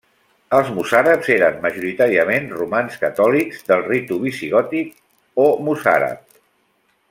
Els mossàrabs eren majoritàriament romans catòlics del ritu visigòtic o mossàrab.